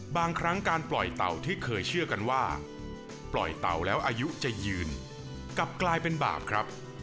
บางครั้งการปล่อยเต่าที่เคยเชื่อกันว่าปล่อยเต่าแล้วอายุจะยืนกลับกลายเป็นบาปครับ